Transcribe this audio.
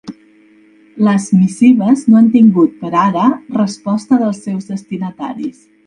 Les missives no han tingut, per ara, resposta dels seus destinataris.